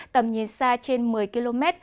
tầm nhìn xa trên một mươi km